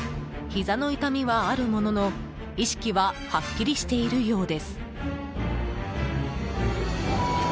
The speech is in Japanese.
ひざの痛みはあるものの意識ははっきりしているようです。